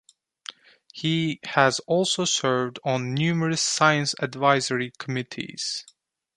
He has also served on numerous science advisory committees.